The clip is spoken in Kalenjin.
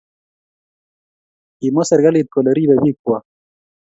kimwa serikalit kole ribei biikwak